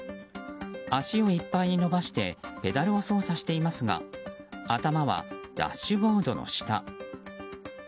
足をいっぱいに伸ばしてペダルを操作していますが頭はダッシュボードの下。